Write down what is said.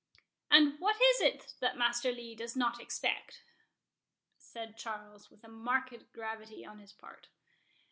"And what is it that Master Lee does not expect?" said Charles, with marked gravity on his part.